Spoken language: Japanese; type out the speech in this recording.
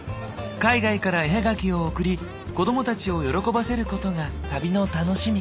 海外から絵葉書を送り子どもたちを喜ばせることが旅の楽しみ。